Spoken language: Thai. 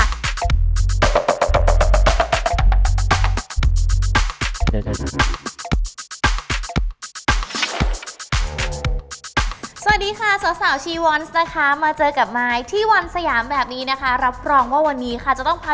สวัสดีค่ะสาวชีวอนซ์นะคะมาเจอกับไม้ที่วันสยามแบบนี้นะคะรับรองว่าวันนี้ค่ะจะต้องพา